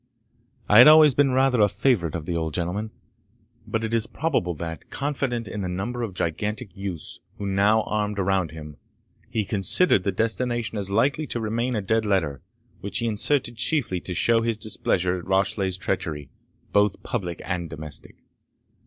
I had always been rather a favourite of the old gentleman; but it is probable that, confident in the number of gigantic youths who now armed around him, he considered the destination as likely to remain a dead letter, which he inserted chiefly to show his displeasure at Rashleigh's treachery, both public and domestic.